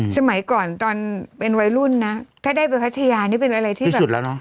สมัยก่อนตอนเป็นวัยรุ่นนะถ้าได้ไปพัทยานี่เป็นอะไรที่แบบสุดแล้วเนอ